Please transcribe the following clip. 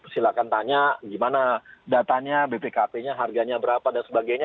silahkan tanya gimana datanya bpkp nya harganya berapa dan sebagainya